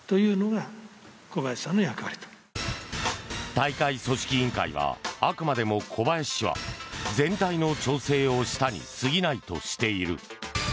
大会組織委員会は、あくまでも小林氏は全体の調整をしたにすぎないとしている。